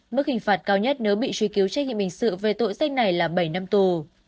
mức hình phạt cao nhất nếu bị truy cứu trách nhiệm hình sự về tội danh này là bảy năm tù